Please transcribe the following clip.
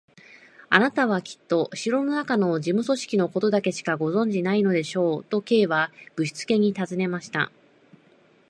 「あなたはきっと城のなかの事務組織のことだけしかご存じでないのでしょう？」と、Ｋ はぶしつけにたずねた。